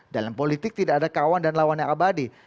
dalam politik tidak ada kawan dan lawannya abadi